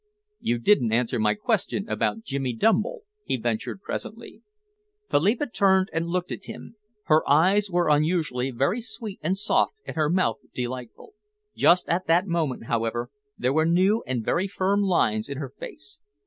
"You didn't answer my question about Jimmy Dumble," he ventured presently. Philippa turned and looked at him. Her eyes were usually very sweet and soft and her mouth delightful. Just at that moment, however, there were new and very firm lines in her face.